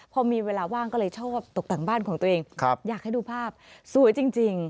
พอมีเวลาว่างก็เลยชอบตกแต่งบ้านของตัวเองอยากให้ดูภาพสวยจริง